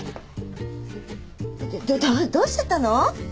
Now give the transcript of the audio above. どどうしちゃったの？